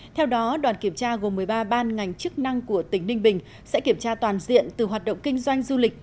theo đó đoàn kiểm tra gồm một mươi ba ban ngành chức năng của tỉnh ninh bình sẽ kiểm tra toàn diện từ hoạt động kinh doanh du lịch